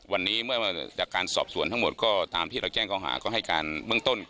วันนี้เมื่อจากการสอบสวนทั้งหมดก็ตามที่เราแจ้งเขาหาก็ให้การเบื้องต้น